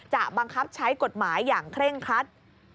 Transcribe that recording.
บังคับใช้กฎหมายอย่างเคร่งครัด